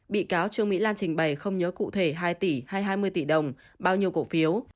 bị cáo trương mỹ lan trình bày không nhớ cụ thể hai tỷ hay hai mươi tỷ đồng bao nhiêu cổ phiếu